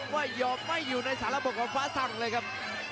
ว่ายอมไม่อยู่ในสารบกของฟ้าสั่งเลยครับ